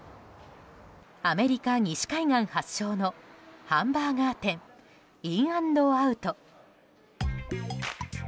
アメリカ西海岸発祥のハンバーガー店インアンドアウト。